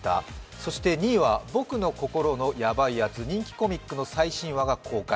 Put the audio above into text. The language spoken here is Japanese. そして２位は「僕の心のヤバイやつ」人気コミックの最新話が公開。